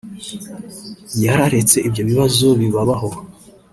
yararetse ibyo bibazo bibabaho